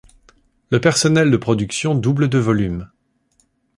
Le personnel de production double de volume.